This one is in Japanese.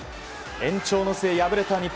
延長の末、敗れた日本。